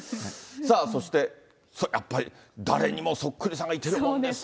さあ、そしてやっぱり誰にもそっくりさんがいてるもんですね。